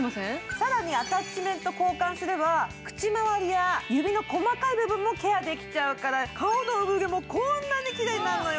更にアタッチメントを交換すれば、口周りや指の細かい部分もケアできちゃうから顔の産毛もこんなにきれいになるのよ。